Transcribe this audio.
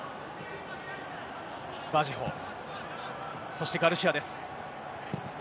バジェホ、そしてガルシアです。